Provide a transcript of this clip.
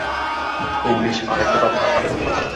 English, আর একটা কথা, আমাদের কোনো ভুল করা চলবে না।